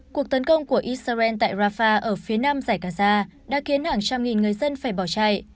cuộc tấn công của israel tại rafah ở phía nam giải gaza đã khiến hàng trăm nghìn người dân phải bỏ chạy